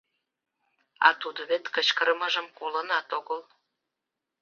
А тудо вет кычкырымыжым колынат огыл...